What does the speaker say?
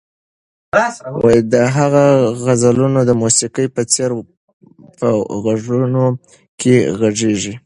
د هغه غزلونه د موسیقۍ په څېر په غوږونو کې غږېږي.